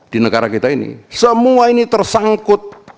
di negara kita ini semua ini tersangkut